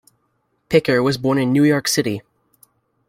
Picker was born in New York City.